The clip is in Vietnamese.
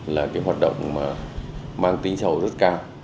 là cái hoạt động mà mang tính sầu rất cao